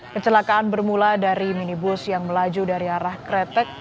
kecelakaan bermula dari minibus yang melaju dari arah kretek